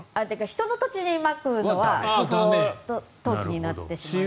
人の土地にまくのは投棄になってしまうので。